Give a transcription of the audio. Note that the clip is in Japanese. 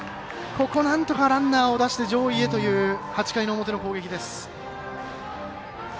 ここ、なんとかランナーを出して上位へという８回の表の攻撃です。